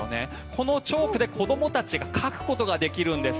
このチョークで子どもたちが描くことができるんです。